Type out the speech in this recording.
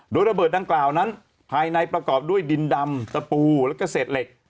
โดยระเบิดดังกล่าวนั้นภายในประกอบด้วยดินดำตะปูแล้วก็เศษเหล็ก